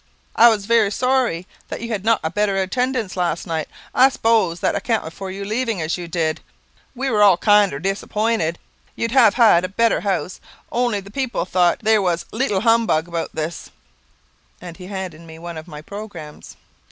"I was very sorry that you had not a better attendance last night; and I s'pose that accounted for your leaving us as you did. We were all kinder disappointed. You'd have had a better house, only the people thought there was a leetle humbug about this," and he handed me one of my programmes.